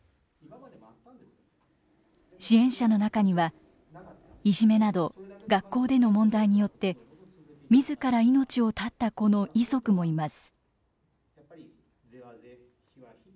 支援者の中にはいじめなど学校での問題によってみずから命を絶った子の遺族もいます。